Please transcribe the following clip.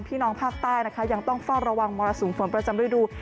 พี่น้องภาคใต้ยังต้องฝ้าระวังมรสูงฝนประจำรวดดู